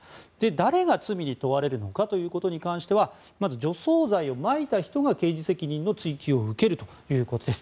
誰が罪に問われるのかということに関してはまず、除草剤をまいた人が刑事責任の追及を受けるということです。